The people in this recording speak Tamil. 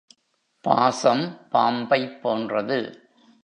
பாசம் பாம்பைப் போன்றது.